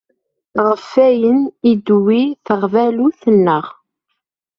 Ɣef wayen i d-tewwi teɣbalut-nneɣ.